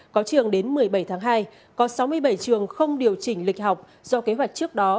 có trường đến một mươi bảy tháng hai có sáu mươi bảy trường không điều chỉnh lịch học do kế hoạch trước đó